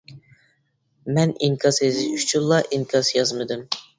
مەن ئىنكاس يېزىش ئۈچۈنلا ئىنكاس يازمىدىم.